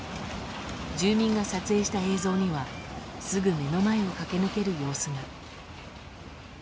住民が撮影した映像にはすぐ目の前を駆け抜ける様子が。